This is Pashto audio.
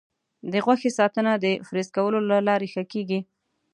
د غوښې ساتنه د فریز کولو له لارې ښه کېږي.